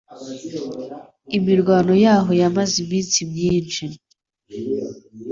Imirwano yaho yamaze iminsi myinshi